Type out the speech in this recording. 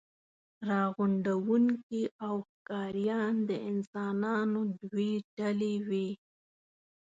راغونډوونکي او ښکاریان د انسانانو دوې ډلې وې.